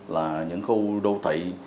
là những khu đô thị